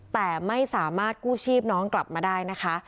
แต่ไม่สามารถกู้ชีพน้องกลับมาได้นะคะ